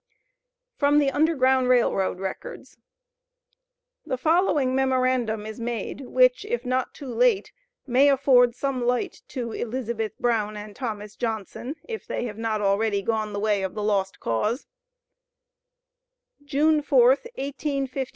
FROM THE UNDERGROUND RAIL ROAD RECORDS. The following memorandum is made, which, if not too late, may afford some light to "Elizabeth Brown and Thomas Johnson," if they have not already gone the way of the "lost cause" June 4, 1857.